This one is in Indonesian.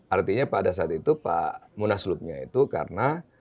artinya pada saat itu pak munaslupnya itu karena